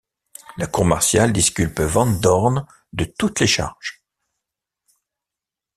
La cour martiale disculpe Van Dorn de toutes les charges.